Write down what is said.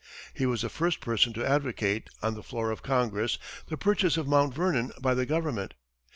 He was the first person to advocate, on the floor of congress, the purchase of Mount Vernon by the government.